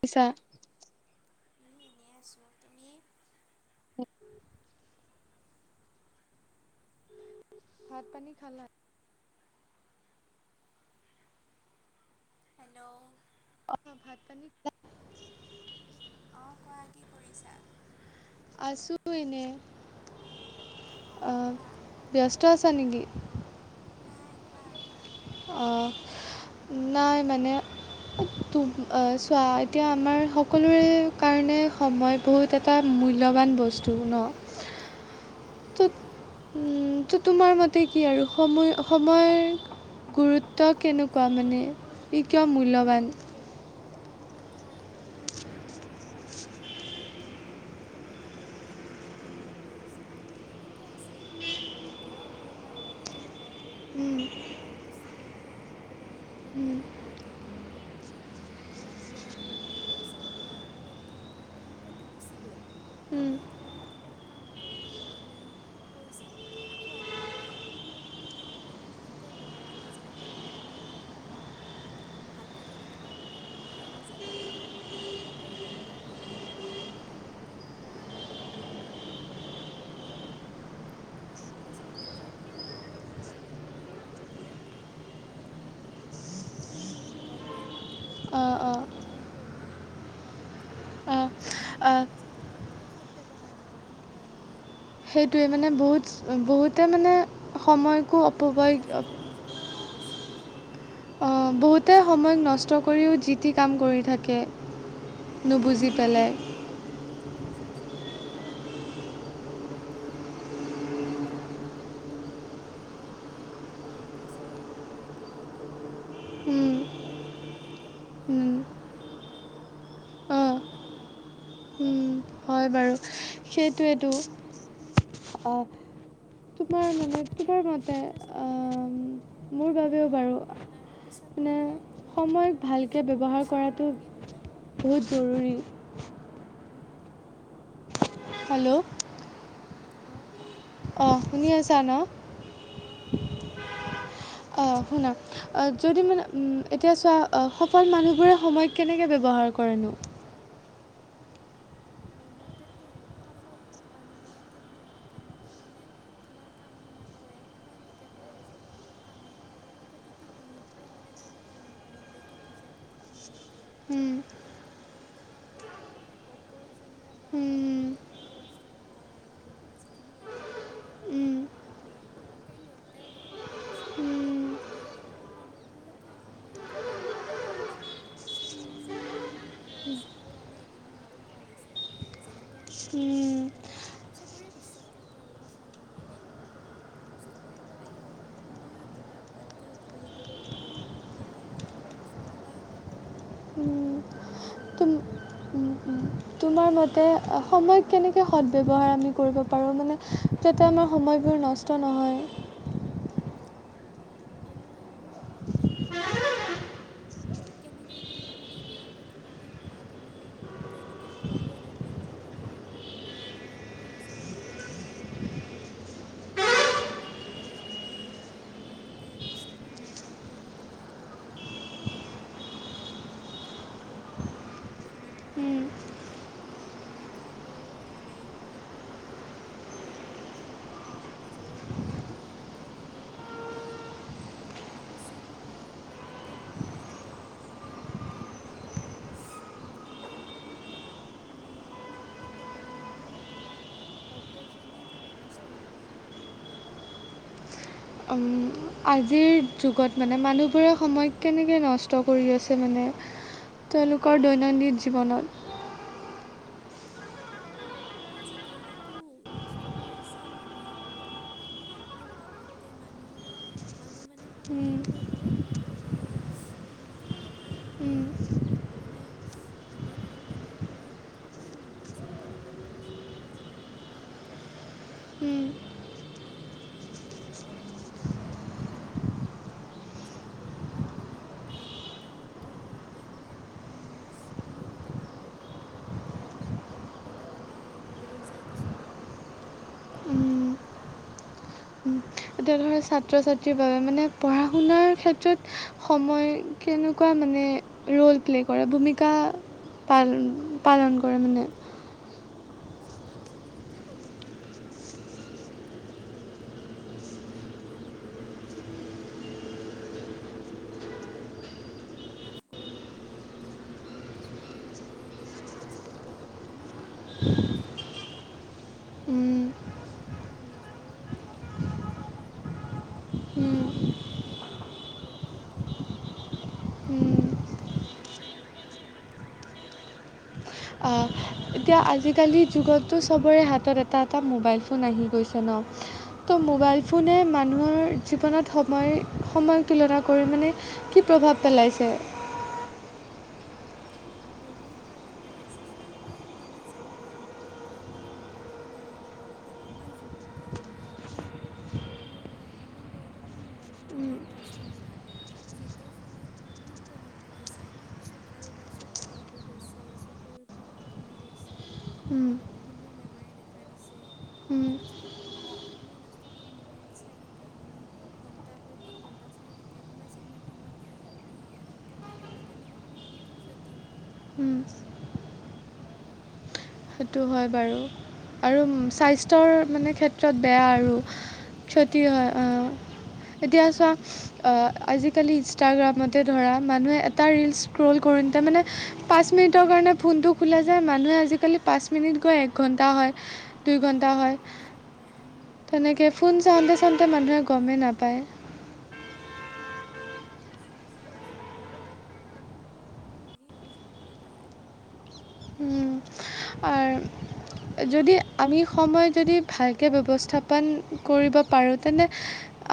[unintelligible] এনে আছোঁ। তুমি? [inaudible] ভাত পানী খালা? হেল্ল'! অ' ভাত পানী খালা? অঁ কোৱা। কি কৰিছা? আছো এনে, আ অঁ কোৱা। ব্যস্ত আছা নেকি? নাই কোৱা কোৱা। আহ নাই মানে উ তো চোৱা এতিয়া আমাৰ সকলোৰে কাৰণে সময় বহুত এটা মূল্যৱান বস্তু ন। অ', সেইটোৱেটো। উম, ত' তোমাৰ মতে কি আৰু সময় সময় গুৰুত্ব ত কেনেকুৱা চোৱা, মানে? কিয় অ', মানে মূল্যৱান ধৰা, এতিয়া সময়টো ধৰা আমাৰ বৰ্তমান সময়ত সময়টো বহুত মূল্যৱান হৈ পৰিছে আগৰ দিনতো আছিল। এতিয়াও হয় বা আগলৈও থাকিব। কাৰণ সময় গুচি গ'লে ঘূৰাই আনিব নোৱাৰি বা ধন-সম্পত্তি ধৰা ঘূৰাই আনিব পাৰি পইচাও ঘূৰা মানে ধ্প সম্পত্তি গুচি গ'ল। আমি ধৰা কিবা কাম কৰি মেলি পইচা ঘূৰাই আকৌ আনিব পাৰিম। কিন্তু সময় তুমি কেতিয়াও নোৱাৰা ন' যিখিনি সময় তুমি ইমানে ধৰা ভালকৈ যদি তুমি সময় মূল্যই নাজানা। একো কাম কৰিব নোৱা সেইকাৰণে, মানে সময় থাকোতে কাম বিলাক কৰিব লাগে আৰু ধৰা। তেনেকুৱা। মানে ছাত্ৰ ছাত্ৰীসকলৰ কাৰণে সময়টো মানে বহুত ধৰা কি বুলি ক'ম এতিয়া বহুত ইম্পৰ্টেণ্ট, অতি অঁ প্ৰয়োজনীয়, কাৰণ বহুত অঁ মানে ছাত্ৰ-ছাত্ৰীয়ে সদ ব্যৱহাৰ নকৰে সময়ক লৈ। সেইটোৱে মানে বহুত বহুতে মানে সময়কো মানে অপব্যয় আজিকালিৰ যুগত সেই টো বেছি হৈছে। অ', বহুতে সময়ক নষ্ট কৰিও যি টি কাম কৰি থাকে। নুবুজি এতিয়া পেলাই। আজিকালি আজিকালি ছাত্ৰ-ছাত্ৰীৰ কাৰণে ধৰা পঢ়া-শুনাটো ধৰা প্ৰয়োজনীয় কিন্তু সিহঁতে পঢ়িম বুলি কৈ মোবাইলটো চাই সময় অতিবাহিত কৰে। সদ উম, ব্যৱহাৰ নকৰে, কেতিয়াও উম, সময়ৰো নকৰে, মোবাইলৰো ন কৰে, অঁ তেনেকুৱা ধৰা। উম। হয় বাৰু। সেইটোৱেতো। তোমাৰ সিহঁতে মানে তোমাৰ মতে ছাত্ৰ ছাত্ৰীবিলাকে মোৰ বাবেও সদব্যৱহাৰ বাৰু নকৰে কাৰণে পিছত মানে মানে ধৰা তোমাৰ সময় ভালকৈ ব্যৱহাৰ সমস্যাৰ কৰাটো সন্মুখীন হয় অঁ বহুত জৰুৰী। হেল্ল'? অ', কোৱা? অ', শুনি আছা ন'? অ', অ', শুনিছো কোৱা। অ', শুনাক। যদি মানে এতিয়া চোৱা সফল মানুহবোৰে সময় কেনেকৈ ব্যৱহাৰ কৰেনো? মোৰ মতেতো সফল মানুহবিলাকে ধৰা একান্ত মনে তোমাৰ কাম বিলাক কৰে সময়মতে কৰে চব কামে। প্ৰতিটো মুহূৰ্ত মানে তেওঁলোকৰ মূল্য়টো বুজাই প্ৰতিটো মুহূৰ্তৰ। উম, তেওঁলোকে সময়মতে কাম কৰে মানে অ' প্ৰয়োজনীয় বা উম, অলাগতিয়াল সময় নষ্ট নকৰে আৰু ধৰা যিখিনি লাগে সেইখিনিকে কাম উম, কৰে তেনেকৈ সিহঁত তেওঁলোক সফল হৈছে ন'? উম, সফল মানুহবোৰোতো এসময়ত ধৰা এনেকুৱাই আছিল সিহতে কষ্ট কষ্ট কৰিছে সময়ৰমূল্য বুজিছে হেইকাৰনে এদিন সিহঁতৰ ফল হৈছে যেনেকে ধৰা উম। আমাৰো এটা সবৰে বিশ্বাস থাকে আৰু সফল হ'ম এদিন কষ্ট কৰিব লাগিব সময়ো অতিব ভালকে অতিবাহিত কৰিব লাগিব তে তেতিয়াহে ধৰা তুমি সফল হ'বা উম এনেকুৱা আৰু [inaudible] উম। তোমাৰ মতে সময় কেনেকৈ সদ ব্যৱহাৰ আমি কৰিব পাৰোঁ মানে যাতে আমাৰ সময়বোৰ নষ্ট নহয় সময়বোৰ সদ ব্যৱহাৰ কেনেকৈ কৰিব মানে ধৰা প্ৰথমতে ধৰা তুমি দৈনিক এখন দৈনন্দিন জীৱনৰ এখন ধাৰা তুমি সময়সূচী বনাই ল'ব পাৰা [unintelligible] এখন ধৰা তুমি তাতে সূচীখন বনাব পাৰা তাতে লিখিব পাৰা কোন সময়ৰ পৰা কোন সময়লৈ মই কোনটো কাম কৰিম খিনিৰ পৰাখিনি লৈ ধৰা মই খালোঁ এইখিনি মই শুলোঁ এইখিনি মই পুহিলোঁ আজৰি সময়ত মই অলপ খেলিলোঁ তেনেকে মানে শুচী কালৰ লগতে তুমি যেতিয়া কামটো কৰিবা তেতিয়া ধৰা তোমাৰ সময়ো কমিব মানে সৎ ব্যৱহাৰ হ'ব লগতে মানে অপ্ৰয়োজনীয় কামত নষ্ট নহয় আৰু সময়টো অম আজিৰ যুগত মানে মানুহবোৰে সময় কেনেকৈ নষ্ট কৰি আছে মানে তেওঁলোকৰ দৈনন্দিন জীৱনত আজিকালিতো নষ্ট কৰিছে মানুহে বহুত সময় কাৰণ আগতে মানুহক মানুহ মানে উম, সময়ক লৈ বহুত কি বুলি ক'ম তোমাৰ উম, বহুত মানে আগৰ দিনত মানুহে সময়ত সময়ে মূল্য চাই কিনে কাম কৰিছে কিন্তু আজিকালি মানুহে নকৰে হম আজিকালি মানুহবিলাকে মানে সদ ব্যৱহাৰ একদমেই নকৰে যিটো কাৰণত মানে দাই ত সিহঁতে মানে সময়মতে কামবোৰ কৰিব নোৱাৰা কাৰণে সিহঁতে মানে ৰৈ যায় কিছুমান ধৰা তেনেকুৱা কথা আৰু উম এতিয়া ধৰ ছাত্ৰ -ছাত্ৰীৰ বাবে মানে পঢ়া শুনাৰ ক্ষেত্ৰত সময় কেনেকুৱা মানে ৰোল প্লে কৰে ভূমিকা পাল পালন কৰে মানে ছাত্ৰ ছাত্ৰী ক্ষেত্ৰ য়ে ক'লোঁ মই পঢ়া শুনাৰ সময়ৰ ভূমিকা অতি গুৰুত্বপূৰ্ণ কাৰণ নিয়মিতভাৱে অধ্যয়ন কৰিলে কম সময়তে ধৰা ভাল ফল পাব পাৰি লাভ কৰিব পাৰি এতিয়া কিছুমানে নপঢ়ি কেনে মোবাইল চাই থাকে এনেই সময়টো নষ্ট কৰি দিয়ে ' তেনেকুৱা কৰিলে ধৰা অলপ নিজৰো ধৰা বহুত ক্ষতি হয় নিজকো ফাঁকি দিয়া হয় বহুত ক্ষতি হয় সেইকাৰণে সময়মতে কৰিব লাগে আৰু সকলোবিলাক কাম অ এতিয়া আজিকালিৰ যুগতো চবৰে হাতত এটা এটা মোবাইল ফোন আহি গৈছে আছে ন উম উম ত উম মোবাইল ফোনে মানুহৰ জীৱনত সময় সময়ৰ তুলনা কৰি মানে কি প্ৰভাৱ পেলাইছে বহুত প্ৰভাৱ পেলাইছে চোৱা সামাজিক এতিয়া মানে মোবাইল ফোন আহাৰ লগে লগে আমাৰ যুগটো মানে অ অনবৰতে তোমাৰ মোবাইল ফোনতে ব্যস্ত হৈ থাকে যিটোৰ ফলত বহুত প্ৰভাৱ পেলাইছে চ কাৰোবাৰ চক কুৰ অসুখ হৈছে চকুৰ পাৱাৰ কমি গৈছে লগতে বিভিন্ন বেমাৰে দেখা দিছে সময় নষ্ট মানে সময় নষ্ট কৰি মোবাইল চাই থাকে অন ঘন্টা প্ৰতি ঘন্টা চাই থাকে সামাজিক মাধ্যমত অ কটাই থাকে তেনেকে মানে বহুতো ক্ষতি হয় উম সেইটো হয় বাৰু আৰু স্বাস্থ্যৰ মানে ক্ষেত ত্ৰত বেয়া আৰু অঁ বহুত ক্ষতি হয় অ স্বাস্থ্যৰো এতিয়া চোৱা অ আজিকালি ইনষ্টাগ্ৰামতে ধৰা মানুহে এটা ৰিলচ স্ক্ৰল কৰোনতে মানে পাঁচ মিনিটৰ কাৰণে ফোনটো খোলা যায় মানুহে আজিকালি পাঁচ মিনিট গৈ একঘণ্টা হয় দুই ঘন্টা হয় গমেই নাপায় উম তেনেকে ফোন চাওঁতে চাওঁতে মানুহে গমেই নাপায় অতিবাহী সময়বোৰে মিছা মিছি নষ্ট হ'ল মোবাইল ফোনৰ কাৰণে মানুহে এনেই নষ্ট কৰি পেলাই আৰ যদি আমি সময় যদি ভালকে ব্যৱস্থাপন কৰিব পাৰোঁ তেন্তে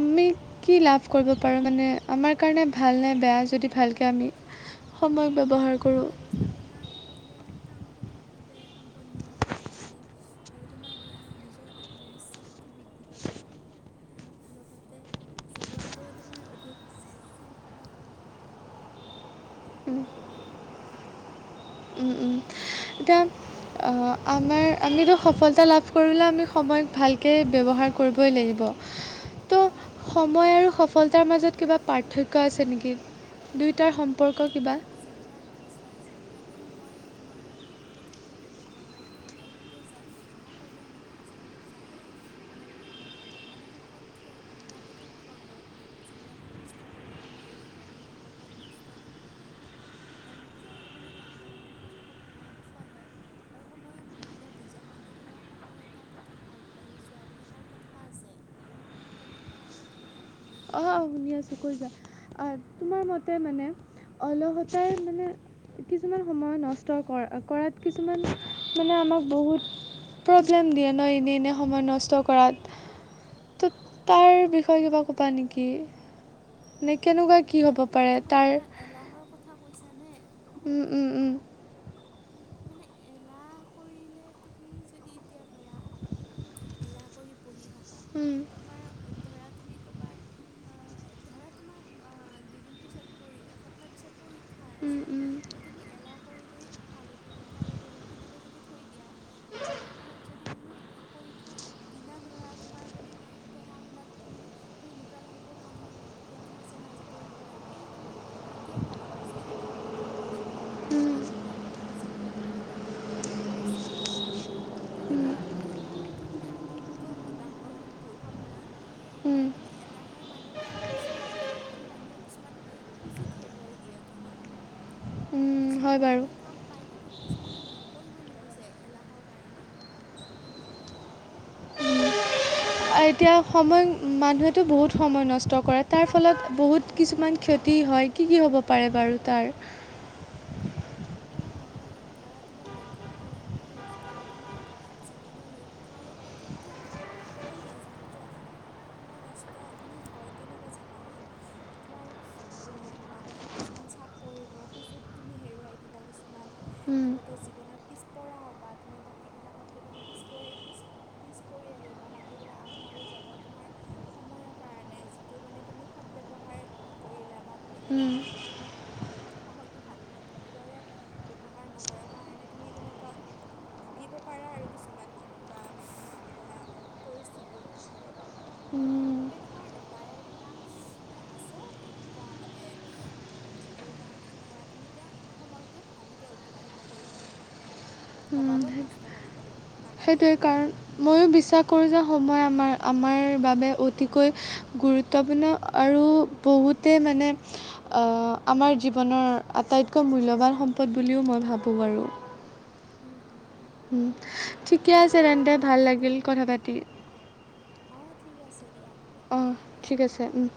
আমি কি লাভ কৰিব পাৰোঁ মানে আমাৰ কাৰণে ভাল নে বেয়া যদি ভালকে আমি অ অ সময় ব্যৱহাৰ সময় কৰোঁ ব্যৱস্ স্থাপনা শিকিলে কাম সঠিকভাৱে সম্পন্ন হ'ব যদি আৰু তোমাৰ ধৰা নিজৰ আত্মবিশ্বাসটো বৃদ্ধি পাব তাৰ লগতে জীৱনটো তোমাৰ অধিক শৃংখলাবদ্ধ হব তেনেকুৱা হওঁ বুলি ভাবো আৰু উম উম এতিয়া অহ আমাৰ আমিতো সফলতা লাভ কৰিবলৈ আমি সময়ক ভালকে ব্যৱহাৰ কৰিবই লাগিব ত অ সময় আৰু সফলতাৰ মাজত কিবা পাৰ্থক্য আছে নেকি দুয়োটাৰ সম্পৰ্ক কিবা যিবিলাক চোৱা যিবিলাকে সময় তোমাৰ সঠিকভাৱে ব্যৱহাৰ কৰে তেওঁলোকে যায় কেনে মই ক'লোৱে নহয় যে তেওঁলোক যায়েই মানে অ' অব মানে শেষত সিহত তেওঁলোকে সফল হয় যিবিলাকে কষ্ট কৰে, সময় অবাবত নষ্ট নকৰে। তেওঁলোক যায়, মানে লা আ শেষত স সফল হয়। আৰু সময়ৰ মূল্য বুজা মানে ধৰা সফলতাৰ পথত আগবাঢ়ি যোৱা বুলি এষাৰ কথা আছে। তেনেকুৱা আৰু তোমাৰ। অঁ অঁ শুনি আছোঁ কৈ যোৱা আ তোমাৰ মতে মানে অলগতাই মানে কিছুমান সময় নষ্ট কৰা কৰাত কিছুমান মানে আমাক বহুত প্ৰব্লেম দিয়ে ন এনে এনে সময় নষ্ট কৰাত। ত' তাৰ বিষয়ে কিবা ক'বা নেকি? মানে কেনেকুৱা কি মানে হ'ব পাৰে তোমাৰ তাৰ ধৰা এলাহৰ কথা কৈছানে? উম, উম, উম। মানে এলাহ কৰিলে তুমি যদি এতিয়া ধৰা এলাহ কৰি বহি থাক উম ধৰা তুমি ক'ৰবাত ধৰা তোমাক দুদিন পিছত এসপ্তাহ পিছত পৰীক্ষা উম, আছে। উম, ত' তুমি এলাহ কৰি কৰি কালি পঢ়িম কালি পঢ়িম তেনেকে যদি থৈ দিয়া। আহ শেষত যদি তুমি পৰীক্ষাৰ আগদিনা ধৰা তোমাৰ মানে পঢ়া শুনাত মানে তুমি এনেকুৱা লাগিব কালি পৰীক্ষা আছে মই আজি পঢ়িব লা এই তুমি তেতিয়া ভাবিবা যে এলাহ মই কিয় কৰিছিলোঁ, যদি মই এলাহ নকৰিলোঁ হয়, আজি মোৰ এনেকুৱা এটা নহয়। পৰিস্থিতি নহ'ল হয়। ঠিক তেনেদৰে তুমি এলাহটো মানে আটাইতকৈ ডাঙৰ শত্ৰু সময়ৰ উম, আৰু মানে এলাহে মানুহৰ কাম পিছুৱাই ৰাখে আৰু মানুহৰ কিছুমান সুযোগ হেৰুৱাই দিয়ে তোমাৰ। উম কিছুমান হয় বাৰু মানুহে কাম পাই কিন্তু কিছুমানে কৰিব নোখোজে, এলাহৰ কাৰণে ঠিক তেনেকুৱা আৰু। আৰু এতিয়া সময় মানুহে তো বহুত সময় নষ্ট কৰে তাৰ ফলত বহুত কিছুমান ক্ষতি হয়, কি কি হ'ব পাৰে বাৰু তাৰ। অঁ [inaudible] ধৰা তোমাৰ লক্ষ্য প পূৰণ ধৰা তোমাৰ জীৱনৰ লক্ষ্যৰ পথততো মানে সেই যাত্ৰাটোতো তোমাৰ সময় নষ্ট মানে হয় কেনেকে চাবা হা তোমাৰ মানসিক কিছুমান চাপ পৰিব সুযোগ তুমি হেৰুৱাই কিছুমান উম, লগতে জীৱনত পিছপৰা হ'বা তুমি বাকীবিলাকতকৈ তুমি পিছ পৰি পিছ পৰি আহিবা বাকীবিলাক আগবাঢ়ি যাব তোমাৰ সময়ৰ কাৰণে যিটো মানে তুমি সৎ ব্যৱহাৰ নকৰিলা বা তুমি এলাহৰ কাৰণে সময়টো ভাল দৰে ব্যৱহাৰ নকৰা কাৰণে তুমি তেনেকুৱা ভুগিব পাৰা আৰু কিছুমান এনেকুৱা ধৰা পৰিস্থিতি। উম ত' তাৰ বাবে তোমাৰ এটাই ধৰা আছে এনেকুৱা মানে উম যিটোৰ কাৰণে ধৰা তুমি এতিয়া সময়টো ভালকে অতিবাহিত কৰিব লাগে, অবাবত নষ্ট কৰিব ন সেইটোৱে কাৰণ ময়ো বিশ্বাস কৰোঁ যে সময় আমাৰ আমাৰ বাবে অতিকৈ গুৰুত্বপূৰ্ণ আৰু বহুতে মানে অ' আমাৰ জীৱনৰ আটাইতকৈ মূল্যৱান সম্পদ বুলিও মই ভাবোঁ বাৰু। উম, উম উম, ঠিকে আছে তেন্তে ভাল লাগিল কথা পাতি। অ' ঠিক আছে দিয়া হ'ব দিয়া অঁ ৰাখিছোঁ। ঠিক আছে। উম